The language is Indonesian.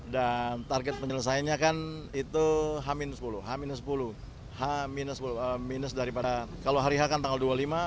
dan target penyelesaiannya kan itu h sepuluh h sepuluh h sepuluh minus daripada kalau hari h kan tanggal dua puluh lima h sepuluh